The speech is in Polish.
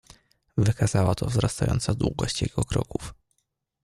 "Wykazała to wzrastająca długość jego kroków."